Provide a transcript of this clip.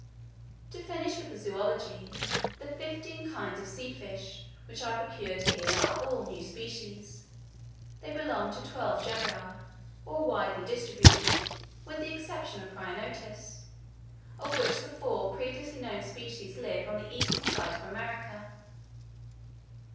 To finish with the zoology: the fifteen kinds of sea fish which I procured here are all new species; they belong to twelve genera, all widely distributed, with the exception of Prionotus, of which the four previously known species live on the eastern side of America.